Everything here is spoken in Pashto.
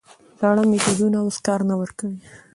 زاړه میتودونه اوس کار نه ورکوي.